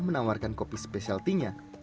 menawarkan kopi spesialty nya